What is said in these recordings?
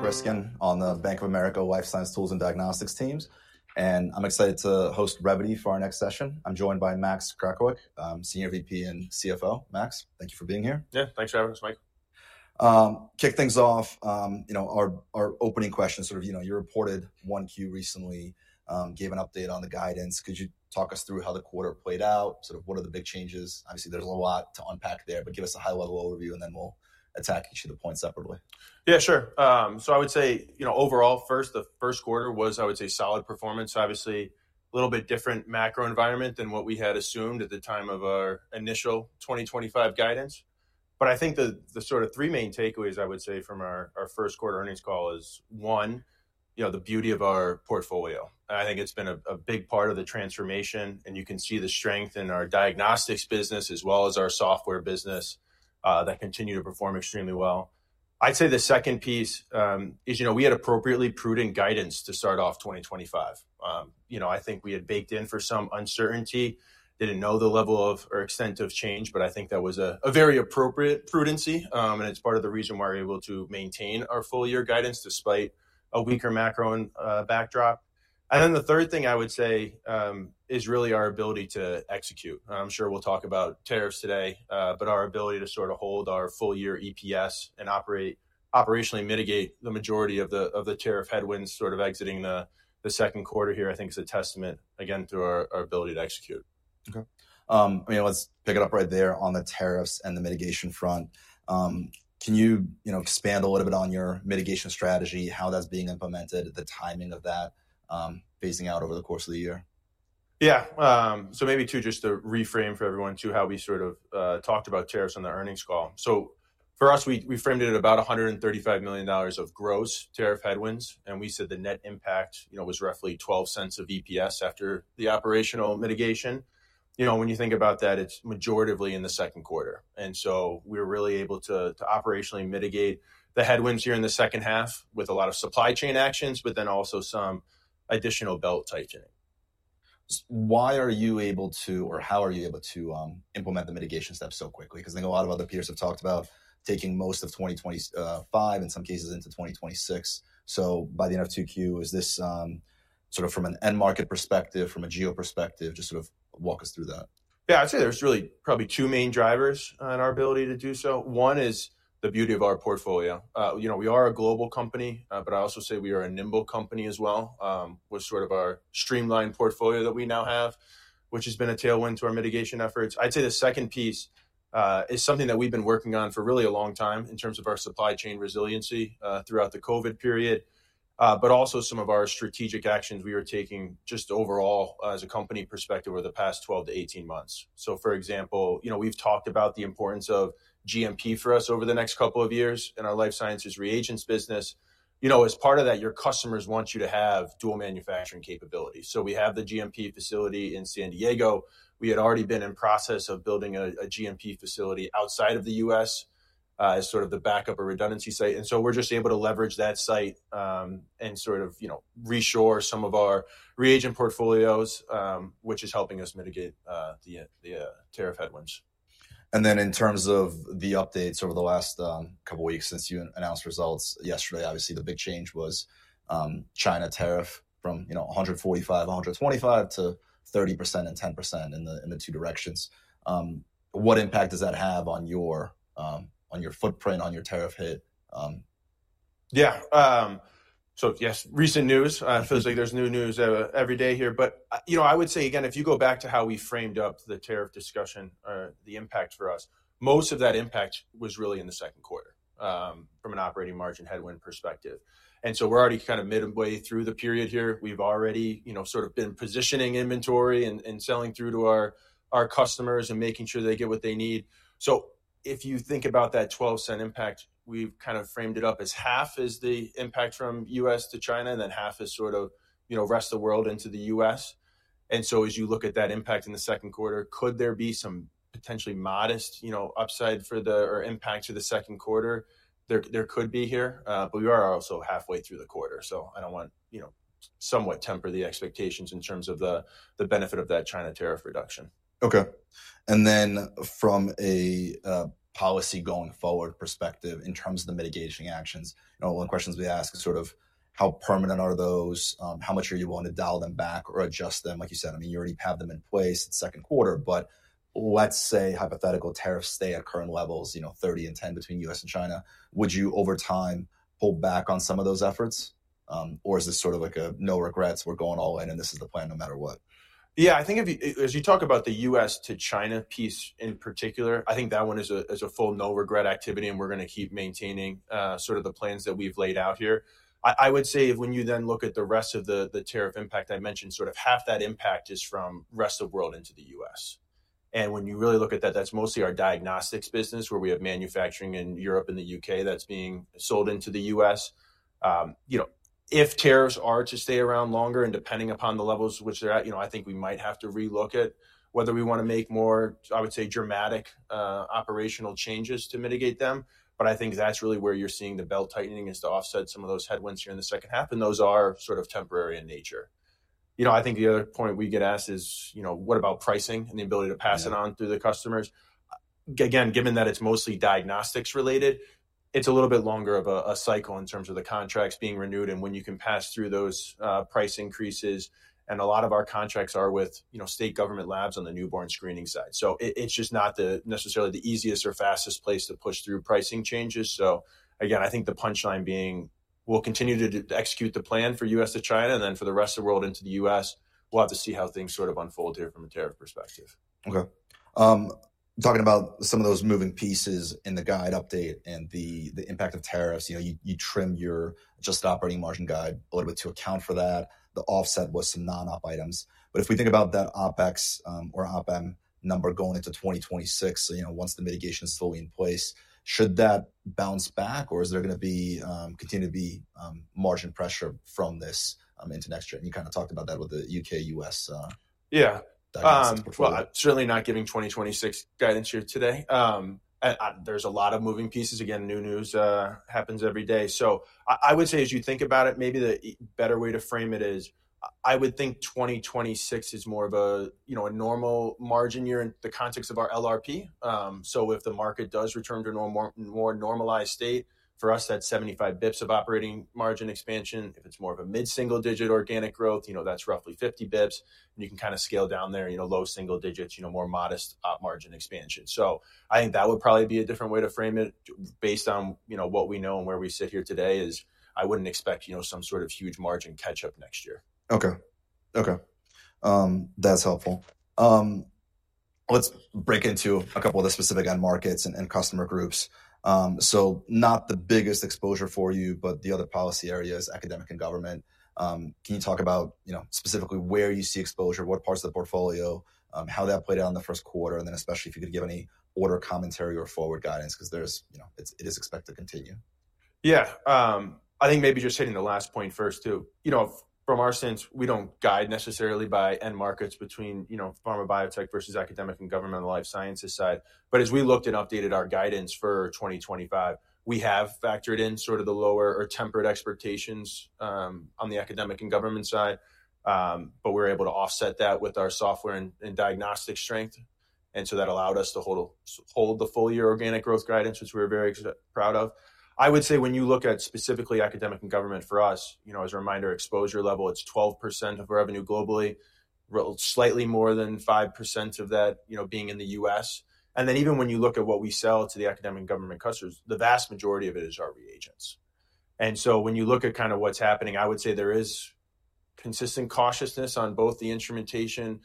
Mike Ryskin on the Bank of America Life Science Tools and Diagnostics teams. I am excited to host Revvity for our next session. I am joined by Max Krakowiak, Senior VP and CFO. Max, thank you for being here. Yeah, thanks for having us, Mike. Kick things off, you know, our opening question, sort of, you know, you reported 1Q recently, gave an update on the guidance. Could you talk us through how the quarter played out? Sort of, what are the big changes? Obviously, there's a lot to unpack there, but give us a high-level overview, and then we'll attack each of the points separately. Yeah, sure. I would say, you know, overall, first, the first quarter was, I would say, solid performance. Obviously, a little bit different macro environment than what we had assumed at the time of our initial 2025 guidance. I think the sort of three main takeaways, I would say, from our first quarter earnings call is, one, you know, the beauty of our portfolio. I think it's been a big part of the transformation, and you can see the strength in our diagnostics business as well as our software business that continue to perform extremely well. I'd say the second piece is, you know, we had appropriately prudent guidance to start off 2025. I think we had baked in for some uncertainty, didn't know the level of or extent of change, but I think that was a very appropriate prudency. It is part of the reason why we are able to maintain our full-year guidance despite a weaker macro backdrop. The third thing I would say is really our ability to execute. I am sure we will talk about tariffs today, but our ability to sort of hold our full-year EPS and operationally mitigate the majority of the tariff headwinds sort of exiting the second quarter here, I think, is a testament, again, to our ability to execute. Okay. I mean, let's pick it up right there on the tariffs and the mitigation front. Can you, you know, expand a little bit on your mitigation strategy, how that's being implemented, the timing of that, phasing out over the course of the year? Yeah. Maybe to just reframe for everyone how we sort of talked about tariffs on the earnings call. For us, we framed it at about $135 million of gross tariff headwinds. We said the net impact, you know, was roughly $0.12 of EPS after the operational mitigation. You know, when you think about that, it is majority in the second quarter. We were really able to operationally mitigate the headwinds here in the second half with a lot of supply chain actions, but then also some additional belt tightening. Why are you able to, or how are you able to implement the mitigation steps so quickly? Because I think a lot of other peers have talked about taking most of 2025, in some cases, into 2026. By the end of 2Q, is this sort of from an end market perspective, from a geo perspective, just sort of walk us through that? Yeah, I'd say there's really probably two main drivers in our ability to do so. One is the beauty of our portfolio. You know, we are a global company, but I also say we are a nimble company as well, with sort of our streamlined portfolio that we now have, which has been a tailwind to our mitigation efforts. I'd say the second piece is something that we've been working on for really a long time in terms of our supply chain resiliency throughout the COVID period, but also some of our strategic actions we were taking just overall as a company perspective over the past 12 to 18 months. For example, you know, we've talked about the importance of GMP for us over the next couple of years in our life sciences reagents business. You know, as part of that, your customers want you to have dual manufacturing capabilities. We have the GMP facility in San Diego. We had already been in process of building a GMP facility outside of the U.S. as sort of the backup or redundancy site. We are just able to leverage that site and sort of, you know, reshore some of our reagent portfolios, which is helping us mitigate the tariff headwinds. In terms of the updates over the last couple of weeks since you announced results yesterday, obviously, the big change was China tariff from, you know, 145, 125 to 30% and 10% in the two directions. What impact does that have on your footprint, on your tariff hit? Yeah. So yes, recent news. It feels like there's new news every day here. But, you know, I would say, again, if you go back to how we framed up the tariff discussion or the impact for us, most of that impact was really in the second quarter from an operating margin headwind perspective. And so we're already kind of midway through the period here. We've already, you know, sort of been positioning inventory and selling through to our customers and making sure they get what they need. So if you think about that $0.12 impact, we've kind of framed it up as half as the impact from U.S. to China and then half as sort of, you know, rest of the world into the U.S. As you look at that impact in the second quarter, could there be some potentially modest, you know, upside for the or impact to the second quarter? There could be here, but we are also halfway through the quarter. I do not want, you know, somewhat temper the expectations in terms of the benefit of that China tariff reduction. Okay. And then from a policy going forward perspective in terms of the mitigation actions, you know, one of the questions we ask is sort of how permanent are those? How much are you willing to dial them back or adjust them? Like you said, I mean, you already have them in place in the second quarter, but let's say hypothetical tariffs stay at current levels, you know, 30% and 10% between U.S. and China. Would you over time pull back on some of those efforts? Or is this sort of like a no regrets, we're going all in and this is the plan no matter what? Yeah, I think if you as you talk about the U.S. to China piece in particular, I think that one is a full no regret activity, and we're going to keep maintaining sort of the plans that we've laid out here. I would say if when you then look at the rest of the tariff impact I mentioned, sort of half that impact is from rest of the world into the U.S. And when you really look at that, that's mostly our diagnostics business where we have manufacturing in Europe and the U.K. that's being sold into the U.S. You know, if tariffs are to stay around longer and depending upon the levels which they're at, you know, I think we might have to relook at whether we want to make more, I would say, dramatic operational changes to mitigate them. I think that's really where you're seeing the belt tightening is to offset some of those headwinds here in the second half. Those are sort of temporary in nature. You know, I think the other point we get asked is, you know, what about pricing and the ability to pass it on through the customers? Again, given that it's mostly diagnostics related, it's a little bit longer of a cycle in terms of the contracts being renewed and when you can pass through those price increases. A lot of our contracts are with, you know, state government labs on the newborn screening side. It's just not necessarily the easiest or fastest place to push through pricing changes. I think the punchline being, we'll continue to execute the plan for U.S. to China, and then for the rest of the world into the U.S., we'll have to see how things sort of unfold here from a tariff perspective. Okay. Talking about some of those moving pieces in the guide update and the impact of tariffs, you know, you trimmed your adjusted operating margin guide a little bit to account for that, the offset was some non-op items. If we think about that OpEx or OpEm number going into 2026, you know, once the mitigation is fully in place, should that bounce back or is there going to continue to be margin pressure from this into next year? You kind of talked about that with the U.K., U.S. Yeah. I'm certainly not giving 2026 guidance here today. There's a lot of moving pieces. Again, new news happens every day. I would say as you think about it, maybe the better way to frame it is I would think 2026 is more of a, you know, a normal margin year in the context of our LRP. If the market does return to a more normalized state, for us, that's 75 basis points of operating margin expansion. If it's more of a mid-single-digit organic growth, you know, that's roughly 50 basis points. You can kind of scale down there, you know, low single digits, you know, more modest op margin expansion. I think that would probably be a different way to frame it based on, you know, what we know and where we sit here today is I wouldn't expect, you know, some sort of huge margin catch-up next year. Okay. Okay. That's helpful. Let's break into a couple of the specific end markets and customer groups. Not the biggest exposure for you, but the other policy areas, academic and government. Can you talk about, you know, specifically where you see exposure, what parts of the portfolio, how that played out in the first quarter, and then especially if you could give any order commentary or forward guidance because there's, you know, it is expected to continue. Yeah. I think maybe just hitting the last point first too, you know, from our sense, we do not guide necessarily by end markets between, you know, pharma biotech versus academic and governmental life sciences side. As we looked and updated our guidance for 2025, we have factored in sort of the lower or tempered expectations on the academic and government side, but we are able to offset that with our software and diagnostic strength. That allowed us to hold the full-year organic growth guidance, which we are very proud of. I would say when you look at specifically academic and government for us, you know, as a reminder, exposure level, it is 12% of revenue globally, slightly more than 5% of that, you know, being in the U.S. Even when you look at what we sell to the academic and government customers, the vast majority of it is our reagents. When you look at kind of what is happening, I would say there is consistent cautiousness on both the instrumentation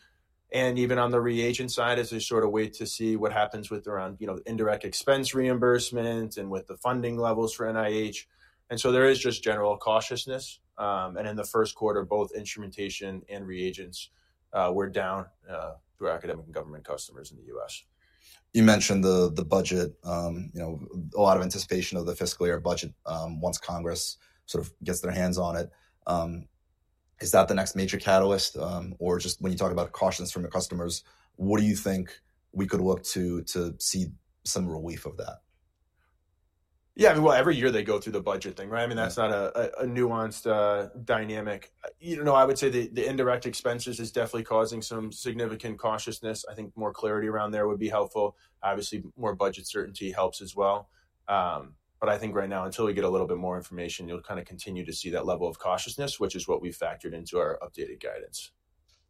and even on the reagent side as a sort of way to see what happens with, you know, indirect expense reimbursements and with the funding levels for NIH. There is just general cautiousness. In the first quarter, both instrumentation and reagents were down to our academic and government customers in the U.S. You mentioned the budget, you know, a lot of anticipation of the fiscal year budget once Congress sort of gets their hands on it. Is that the next major catalyst? Or just when you talk about cautiousness from your customers, what do you think we could look to see some relief of that? Yeah, I mean, every year they go through the budget thing, right? I mean, that's not a nuanced dynamic. You know, I would say the indirect expenses is definitely causing some significant cautiousness. I think more clarity around there would be helpful. Obviously, more budget certainty helps as well. I think right now, until we get a little bit more information, you'll kind of continue to see that level of cautiousness, which is what we've factored into our updated guidance.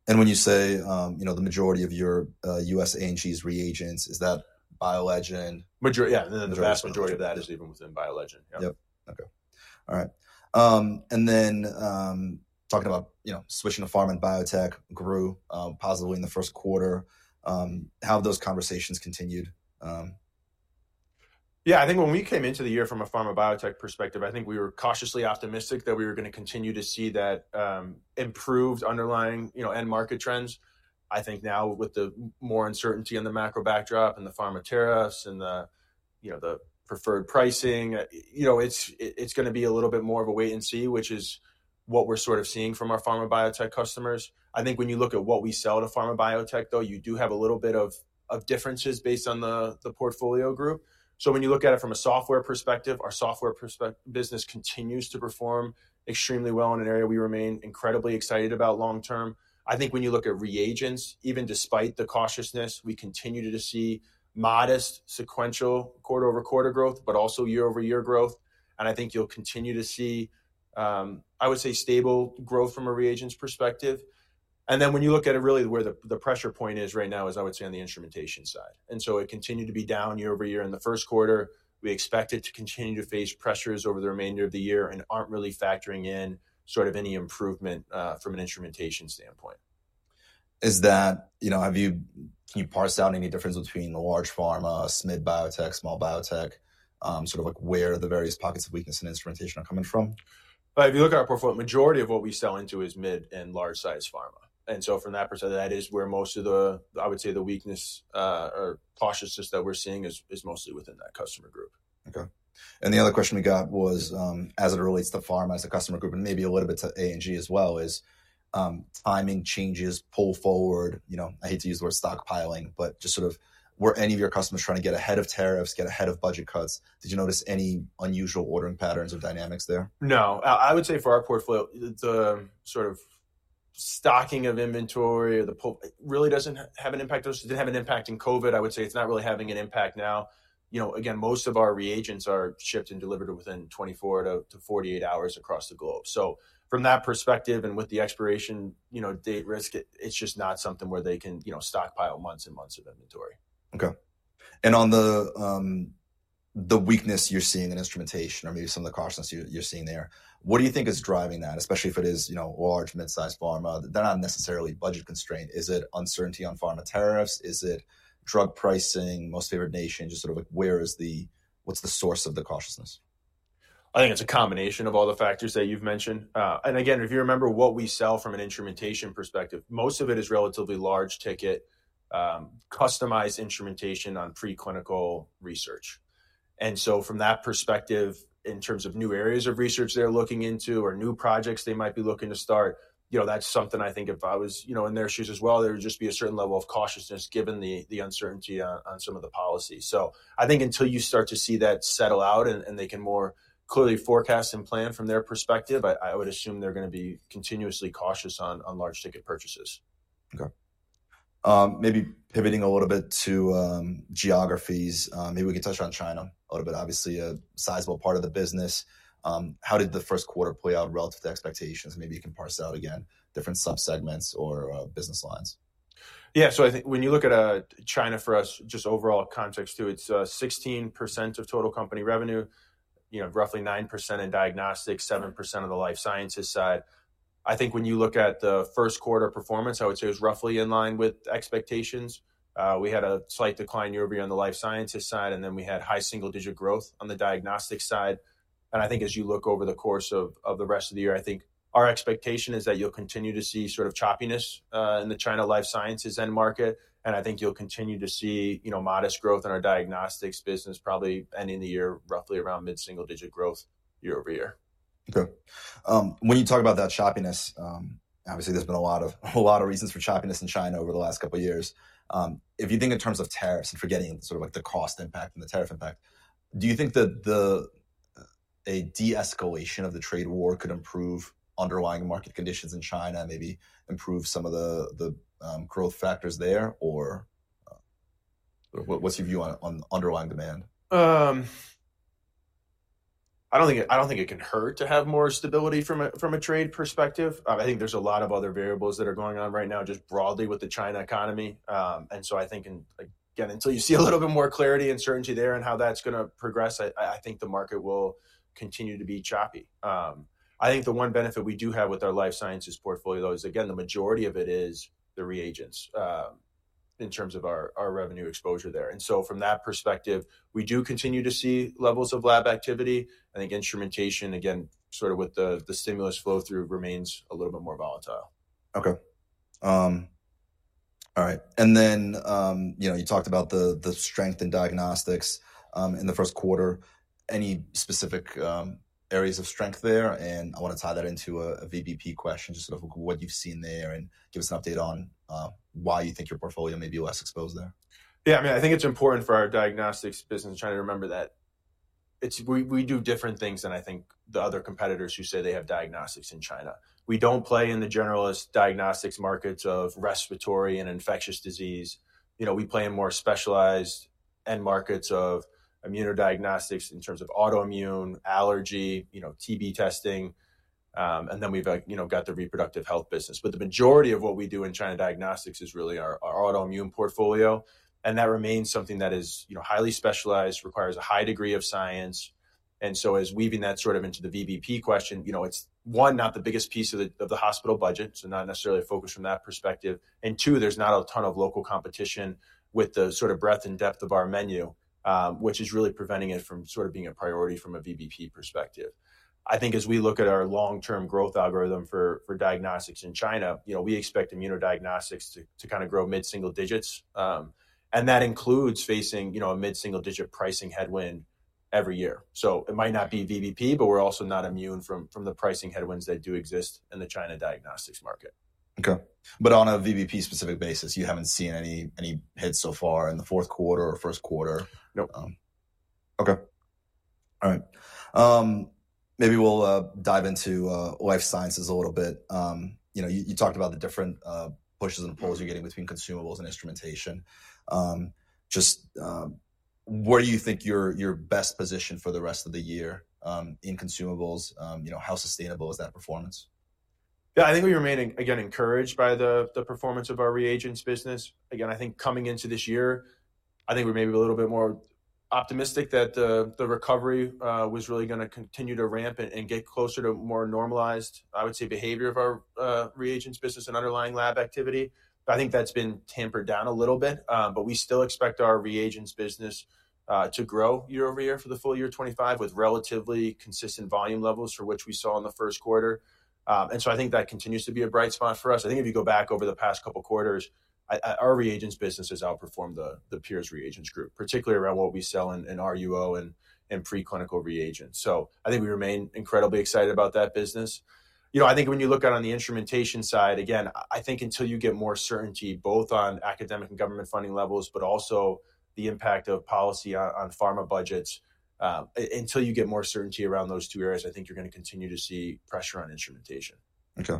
When you say, you know, the majority of your U.S. A&G's reagents, is that BioLegend? Yeah, the vast majority of that is even within BioLegend. Yep. Okay. All right. And then talking about, you know, switching to pharma and biotech grew positively in the first quarter. How have those conversations continued? Yeah, I think when we came into the year from a pharma biotech perspective, I think we were cautiously optimistic that we were going to continue to see that improved underlying, you know, end market trends. I think now with the more uncertainty on the macro backdrop and the pharma tariffs and the, you know, the preferred pricing, you know, it's going to be a little bit more of a wait and see, which is what we're sort of seeing from our pharma biotech customers. I think when you look at what we sell to pharma biotech, though, you do have a little bit of differences based on the portfolio group. So when you look at it from a software perspective, our software business continues to perform extremely well in an area we remain incredibly excited about long term. I think when you look at reagents, even despite the cautiousness, we continue to see modest sequential quarter-over-quarter growth, but also year-over-year growth. I think you'll continue to see, I would say, stable growth from a reagents perspective. When you look at it, really where the pressure point is right now is, I would say, on the instrumentation side. It continued to be down year-over-year in the first quarter. We expect it to continue to face pressures over the remainder of the year and aren't really factoring in sort of any improvement from an instrumentation standpoint. Is that, you know, have you, can you parse out any difference between large pharma, mid-biotech, small biotech, sort of like where the various pockets of weakness in instrumentation are coming from? If you look at our portfolio, majority of what we sell into is mid and large-sized pharma. From that perspective, that is where most of the, I would say, the weakness or cautiousness that we're seeing is mostly within that customer group. Okay. The other question we got was, as it relates to pharma as a customer group, and maybe a little bit to A&G as well, is timing changes pull forward? You know, I hate to use the word stockpiling, but just sort of, were any of your customers trying to get ahead of tariffs, get ahead of budget cuts? Did you notice any unusual ordering patterns or dynamics there? No. I would say for our portfolio, the sort of stocking of inventory or the pull really does not have an impact. It did not have an impact in COVID. I would say it is not really having an impact now. You know, again, most of our reagents are shipped and delivered within 24-48 hours across the globe. From that perspective and with the expiration date risk, it is just not something where they can, you know, stockpile months and months of inventory. Okay. On the weakness you're seeing in instrumentation or maybe some of the cautiousness you're seeing there, what do you think is driving that, especially if it is, you know, large, mid-sized pharma? They're not necessarily budget constraint. Is it uncertainty on pharma tariffs? Is it drug pricing, most favorite nation, just sort of like where is the, what's the source of the cautiousness? I think it's a combination of all the factors that you've mentioned. If you remember what we sell from an instrumentation perspective, most of it is relatively large ticket, customized instrumentation on preclinical research. From that perspective, in terms of new areas of research they're looking into or new projects they might be looking to start, you know, that's something I think if I was, you know, in their shoes as well, there would just be a certain level of cautiousness given the uncertainty on some of the policy. I think until you start to see that settle out and they can more clearly forecast and plan from their perspective, I would assume they're going to be continuously cautious on large ticket purchases. Okay. Maybe pivoting a little bit to geographies, maybe we can touch on China a little bit. Obviously, a sizable part of the business. How did the first quarter play out relative to expectations? Maybe you can parse out again different subsegments or business lines. Yeah. So I think when you look at China for us, just overall context too, it's 16% of total company revenue, you know, roughly 9% in diagnostics, 7% on the life sciences side. I think when you look at the first quarter performance, I would say it was roughly in line with expectations. We had a slight decline year over year on the life sciences side, and then we had high single-digit growth on the diagnostics side. I think as you look over the course of the rest of the year, I think our expectation is that you'll continue to see sort of choppiness in the China life sciences end market. I think you'll continue to see, you know, modest growth in our diagnostics business, probably ending the year roughly around mid-single-digit growth year over year. Okay. When you talk about that choppiness, obviously there's been a lot of reasons for choppiness in China over the last couple of years. If you think in terms of tariffs and forgetting sort of like the cost impact and the tariff impact, do you think that a de-escalation of the trade war could improve underlying market conditions in China, maybe improve some of the growth factors there? Or what's your view on underlying demand? I do not think it can hurt to have more stability from a trade perspective. I think there are a lot of other variables that are going on right now just broadly with the China economy. I think, again, until you see a little bit more clarity and certainty there and how that is going to progress, I think the market will continue to be choppy. I think the one benefit we do have with our life sciences portfolio is, again, the majority of it is the reagents in terms of our revenue exposure there. From that perspective, we do continue to see levels of lab activity. I think instrumentation, again, sort of with the stimulus flow through, remains a little bit more volatile. Okay. All right. You know, you talked about the strength in diagnostics in the first quarter. Any specific areas of strength there? I want to tie that into a VBP question, just sort of what you've seen there and give us an update on why you think your portfolio may be less exposed there. Yeah. I mean, I think it's important for our diagnostics business in China to remember that we do different things than I think the other competitors who say they have diagnostics in China. We don't play in the generalist diagnostics markets of respiratory and infectious disease. You know, we play in more specialized end markets of immunodiagnostics in terms of autoimmune, allergy, you know, TB testing. And then we've, you know, got the reproductive health business. The majority of what we do in China diagnostics is really our autoimmune portfolio. That remains something that is, you know, highly specialized, requires a high degree of science. As weaving that sort of into the VBP question, you know, it's one, not the biggest piece of the hospital budget, so not necessarily focused from that perspective. There is not a ton of local competition with the sort of breadth and depth of our menu, which is really preventing it from sort of being a priority from a VBP perspective. I think as we look at our long-term growth algorithm for diagnostics in China, you know, we expect immunodiagnostics to kind of grow mid-single digits. That includes facing, you know, a mid-single digit pricing headwind every year. It might not be VBP, but we are also not immune from the pricing headwinds that do exist in the China diagnostics market. Okay. On a VBP-specific basis, you haven't seen any hits so far in the fourth quarter or first quarter? Nope. Okay. All right. Maybe we'll dive into life sciences a little bit. You know, you talked about the different pushes and pulls you're getting between consumables and instrumentation. Just where do you think you're best positioned for the rest of the year in consumables? You know, how sustainable is that performance? Yeah, I think we remain, again, encouraged by the performance of our reagents business. Again, I think coming into this year, I think we were maybe a little bit more optimistic that the recovery was really going to continue to ramp and get closer to more normalized, I would say, behavior of our reagents business and underlying lab activity. I think that has been tampered down a little bit. We still expect our reagents business to grow year over year for the full year 2025 with relatively consistent volume levels from what we saw in the first quarter. I think that continues to be a bright spot for us. If you go back over the past couple of quarters, our reagents business has outperformed the peers' reagents group, particularly around what we sell in RUO and preclinical reagents. I think we remain incredibly excited about that business. You know, I think when you look at on the instrumentation side, again, I think until you get more certainty both on academic and government funding levels, but also the impact of policy on pharma budgets, until you get more certainty around those two areas, I think you're going to continue to see pressure on instrumentation. Okay.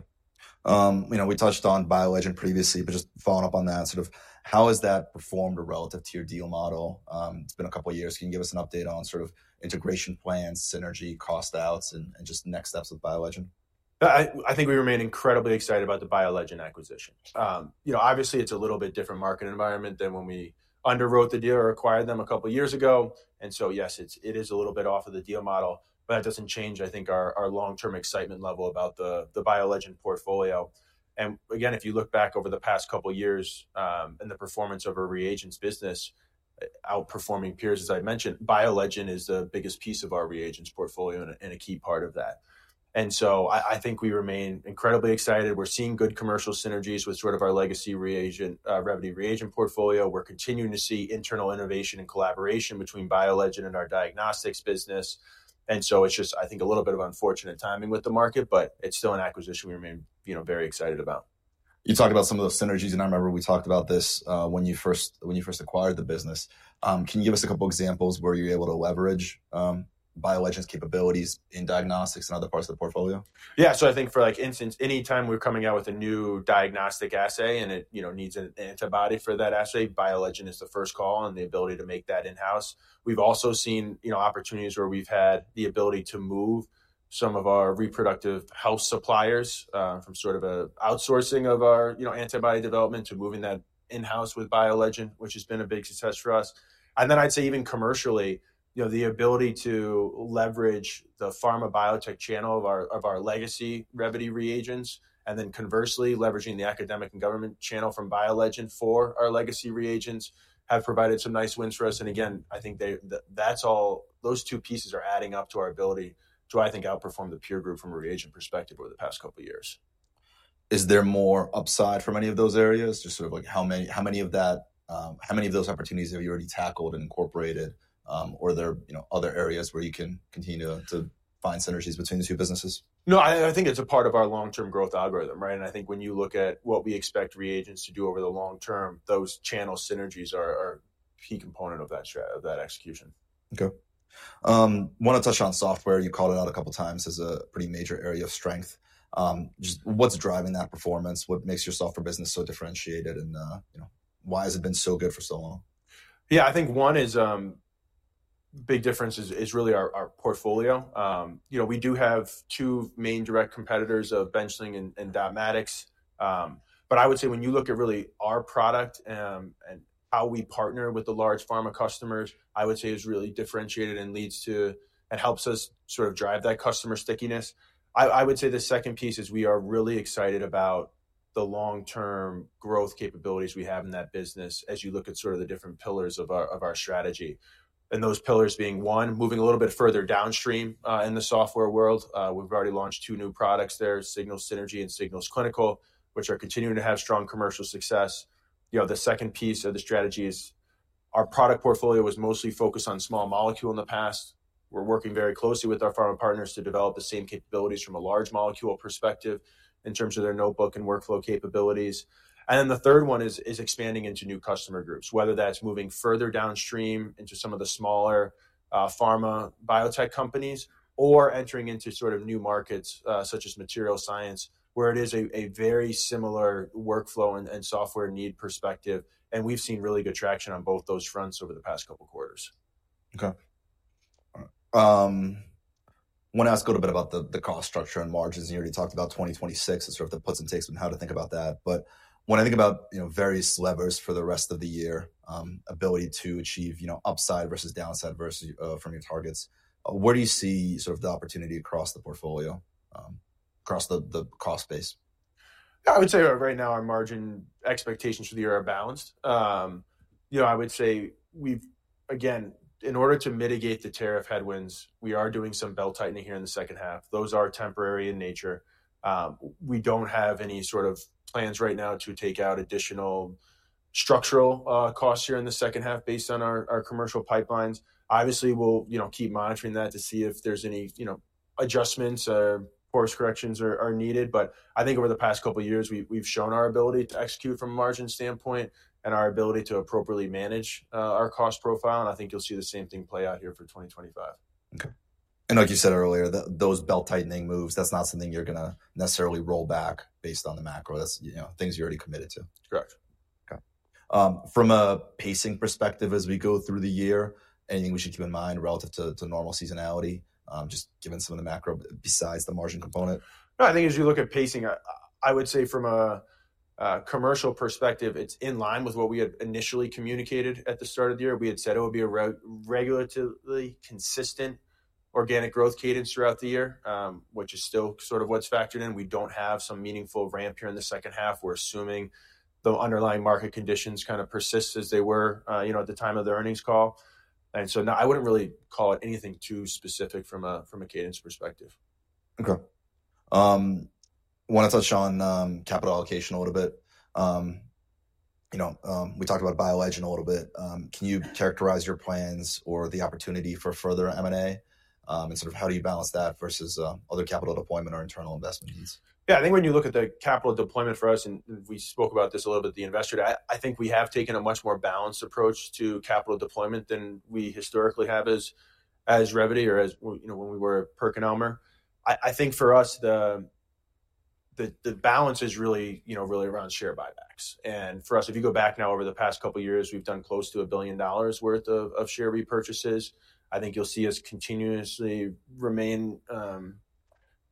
You know, we touched on BioLegend previously, but just following up on that, sort of how has that performed relative to your deal model? It's been a couple of years. Can you give us an update on sort of integration plans, synergy, cost outs, and just next steps with BioLegend? I think we remain incredibly excited about the BioLegend acquisition. You know, obviously, it's a little bit different market environment than when we underwrote the deal or acquired them a couple of years ago. Yes, it is a little bit off of the deal model, but that doesn't change, I think, our long-term excitement level about the BioLegend portfolio. Again, if you look back over the past couple of years and the performance of our reagents business, outperforming peers, as I mentioned, BioLegend is the biggest piece of our reagents portfolio and a key part of that. I think we remain incredibly excited. We're seeing good commercial synergies with sort of our legacy reagent, Revvity reagent portfolio. We're continuing to see internal innovation and collaboration between BioLegend and our diagnostics business. It is just, I think, a little bit of unfortunate timing with the market, but it is still an acquisition we remain, you know, very excited about. You talked about some of those synergies, and I remember we talked about this when you first acquired the business. Can you give us a couple of examples where you're able to leverage BioLegend's capabilities in diagnostics and other parts of the portfolio? Yeah. I think for, like, instance, anytime we're coming out with a new diagnostic assay and it, you know, needs an antibody for that assay, BioLegend is the first call on the ability to make that in-house. We've also seen, you know, opportunities where we've had the ability to move some of our reproductive health suppliers from sort of an outsourcing of our, you know, antibody development to moving that in-house with BioLegend, which has been a big success for us. I'd say even commercially, you know, the ability to leverage the pharma biotech channel of our legacy Revvity reagents, and then conversely, leveraging the academic and government channel from BioLegend for our legacy reagents have provided some nice wins for us. I think that's all those two pieces are adding up to our ability to, I think, outperform the peer group from a reagent perspective over the past couple of years. Is there more upside from any of those areas? Just sort of like how many of that, how many of those opportunities have you already tackled and incorporated? Or are there, you know, other areas where you can continue to find synergies between the two businesses? No, I think it's a part of our long-term growth algorithm, right? I think when you look at what we expect reagents to do over the long term, those channel synergies are a key component of that execution. Okay. I want to touch on software. You called it out a couple of times as a pretty major area of strength. Just what's driving that performance? What makes your software business so differentiated? And you know, why has it been so good for so long? Yeah, I think one is a big difference is really our portfolio. You know, we do have two main direct competitors of Benchling and Dotmatics. But I would say when you look at really our product and how we partner with the large pharma customers, I would say is really differentiated and leads to and helps us sort of drive that customer stickiness. I would say the second piece is we are really excited about the long-term growth capabilities we have in that business as you look at sort of the different pillars of our strategy. And those pillars being one, moving a little bit further downstream in the software world. We've already launched two new products there, Signal Synergy and Signal Clinical, which are continuing to have strong commercial success. You know, the second piece of the strategy is our product portfolio was mostly focused on small molecule in the past. We're working very closely with our pharma partners to develop the same capabilities from a large molecule perspective in terms of their notebook and workflow capabilities. The third one is expanding into new customer groups, whether that's moving further downstream into some of the smaller pharma biotech companies or entering into sort of new markets such as material science, where it is a very similar workflow and software need perspective. We've seen really good traction on both those fronts over the past couple of quarters. Okay. I want to ask a little bit about the cost structure and margins. You already talked about 2026 and sort of the puts and takes and how to think about that. When I think about, you know, various levers for the rest of the year, ability to achieve, you know, upside versus downside versus from your targets, where do you see sort of the opportunity across the portfolio, across the cost base? Yeah, I would say right now our margin expectations for the year are balanced. You know, I would say we've, again, in order to mitigate the tariff headwinds, we are doing some belt tightening here in the second half. Those are temporary in nature. We don't have any sort of plans right now to take out additional structural costs here in the second half based on our commercial pipelines. Obviously, we'll, you know, keep monitoring that to see if there's any, you know, adjustments or course corrections are needed. I think over the past couple of years, we've shown our ability to execute from a margin standpoint and our ability to appropriately manage our cost profile. I think you'll see the same thing play out here for 2025. Okay. Like you said earlier, those belt tightening moves, that's not something you're going to necessarily roll back based on the macro. That's, you know, things you're already committed to. Correct. Okay. From a pacing perspective, as we go through the year, anything we should keep in mind relative to normal seasonality, just given some of the macro besides the margin component? No, I think as you look at pacing, I would say from a commercial perspective, it's in line with what we had initially communicated at the start of the year. We had said it would be a relatively consistent organic growth cadence throughout the year, which is still sort of what's factored in. We don't have some meaningful ramp here in the second half. We're assuming the underlying market conditions kind of persist as they were, you know, at the time of the earnings call. Now I wouldn't really call it anything too specific from a cadence perspective. Okay. I want to touch on capital allocation a little bit. You know, we talked about BioLegend a little bit. Can you characterize your plans or the opportunity for further M&A and sort of how do you balance that versus other capital deployment or internal investment needs? Yeah, I think when you look at the capital deployment for us, and we spoke about this a little bit, the investor, I think we have taken a much more balanced approach to capital deployment than we historically have as Revvity or as, you know, when we were PerkinElmer. I think for us, the balance is really, you know, really around share buybacks. For us, if you go back now over the past couple of years, we've done close to $1 billion worth of share repurchases. I think you'll see us continuously remain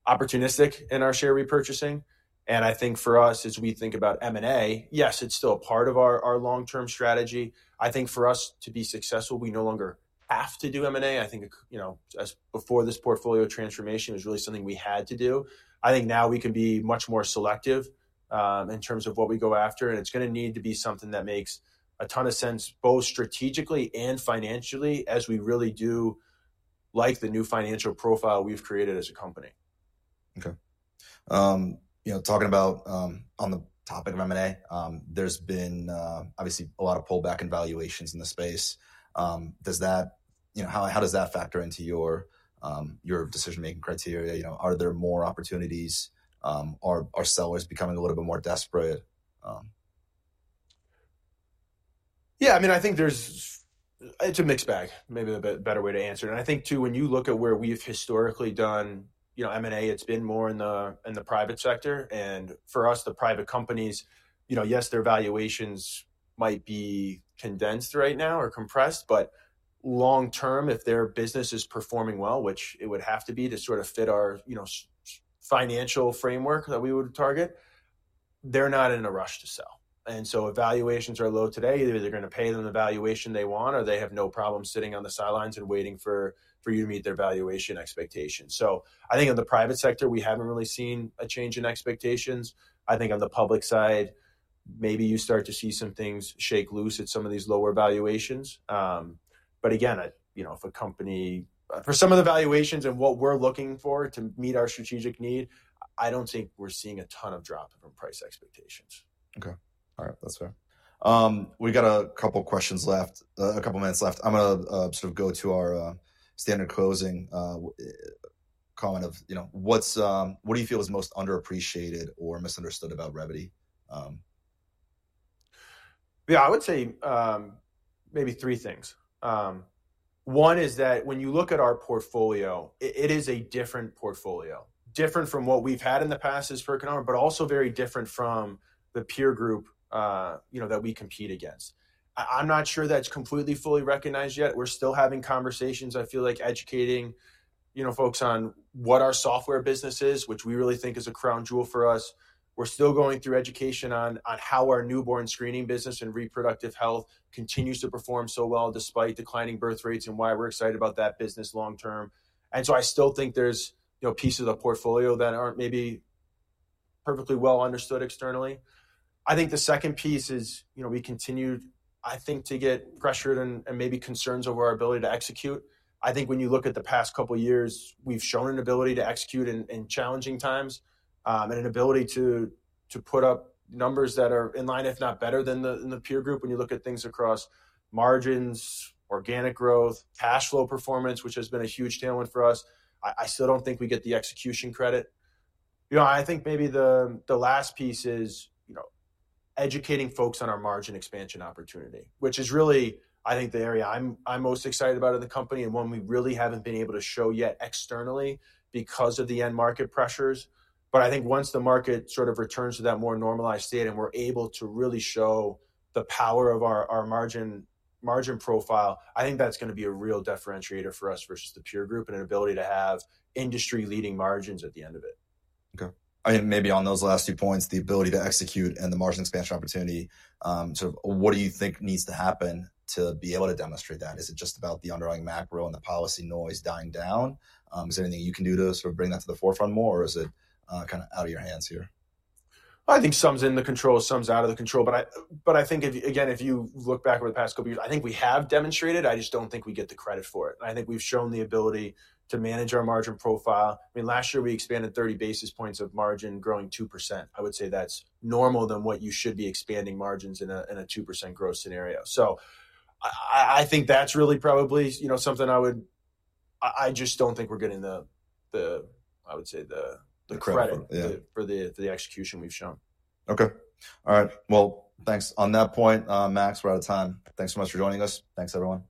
opportunistic in our share repurchasing. I think for us, as we think about M&A, yes, it's still a part of our long-term strategy. I think for us to be successful, we no longer have to do M&A. I think, you know, as before this portfolio transformation was really something we had to do. I think now we can be much more selective in terms of what we go after. It is going to need to be something that makes a ton of sense both strategically and financially as we really do like the new financial profile we have created as a company. Okay. You know, talking about on the topic of M&A, there's been obviously a lot of pullback in valuations in the space. Does that, you know, how does that factor into your decision-making criteria? You know, are there more opportunities? Are sellers becoming a little bit more desperate? Yeah, I mean, I think it's a mixed bag, maybe a better way to answer. I think too, when you look at where we've historically done, you know, M&A, it's been more in the private sector. For us, the private companies, you know, yes, their valuations might be condensed right now or compressed, but long term, if their business is performing well, which it would have to be to sort of fit our, you know, financial framework that we would target, they're not in a rush to sell. If valuations are low today, either you're going to pay them the valuation they want or they have no problem sitting on the sidelines and waiting for you to meet their valuation expectations. I think in the private sector, we haven't really seen a change in expectations. I think on the public side, maybe you start to see some things shake loose at some of these lower valuations. Again, you know, if a company for some of the valuations and what we're looking for to meet our strategic need, I don't think we're seeing a ton of drop from price expectations. Okay. All right. That's fair. We've got a couple of questions left, a couple of minutes left. I'm going to sort of go to our standard closing comment of, you know, what do you feel is most underappreciated or misunderstood about Revvity? Yeah, I would say maybe three things. One is that when you look at our portfolio, it is a different portfolio, different from what we've had in the past as PerkinElmer, but also very different from the peer group, you know, that we compete against. I'm not sure that's completely fully recognized yet. We're still having conversations, I feel like, educating, you know, folks on what our software business is, which we really think is a crown jewel for us. We're still going through education on how our newborn screening business and reproductive health continues to perform so well despite declining birth rates and why we're excited about that business long term. I still think there's, you know, pieces of the portfolio that aren't maybe perfectly well understood externally. I think the second piece is, you know, we continue, I think, to get pressured and maybe concerns over our ability to execute. I think when you look at the past couple of years, we've shown an ability to execute in challenging times and an ability to put up numbers that are in line, if not better than the peer group. When you look at things across margins, organic growth, cash flow performance, which has been a huge tailwind for us, I still don't think we get the execution credit. You know, I think maybe the last piece is, you know, educating folks on our margin expansion opportunity, which is really, I think, the area I'm most excited about in the company and one we really haven't been able to show yet externally because of the end market pressures. I think once the market sort of returns to that more normalized state and we're able to really show the power of our margin profile, I think that's going to be a real differentiator for us versus the peer group and an ability to have industry-leading margins at the end of it. Okay. I think maybe on those last two points, the ability to execute and the margin expansion opportunity, sort of what do you think needs to happen to be able to demonstrate that? Is it just about the underlying macro and the policy noise dying down? Is there anything you can do to sort of bring that to the forefront more, or is it kind of out of your hands here? I think some's in the control, some's out of the control. I think, again, if you look back over the past couple of years, I think we have demonstrated. I just don't think we get the credit for it. I think we've shown the ability to manage our margin profile. I mean, last year, we expanded 30 basis points of margin, growing 2%. I would say that's normal than what you should be expanding margins in a 2% growth scenario. I think that's really probably, you know, something I would—I just don't think we're getting the, I would say, the credit for the execution we've shown. Okay. All right. Thanks. On that point, Max, we are out of time. Thanks so much for joining us. Thanks, everyone.